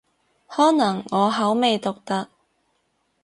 可能我口味獨特